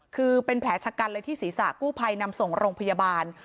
คือเป็นแผลชะกันเลยที่ศีรษะกู้ภัยนำส่งโรงพยาบาล